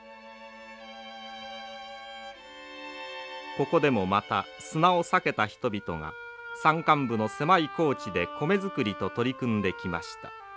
ここでもまた砂を避けた人々が山間部の狭い耕地で米作りと取り組んできました。